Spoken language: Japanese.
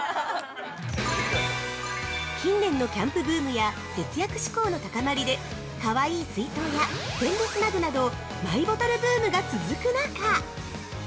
◆近年のキャンプブームや節約志向の高まりでかわいい水筒やステンレスマグなどマイボトルブームが続く中